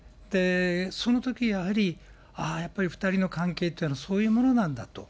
そのときやはり、ああ、やっぱり２人の関係というのは、そういうものなんだと。